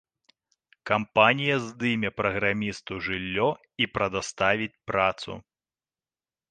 Кампанія здыме праграмісту жыллё і прадаставіць працу!